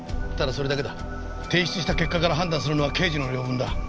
提出した結果から判断するのは刑事の領分だ。